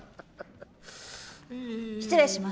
失礼します。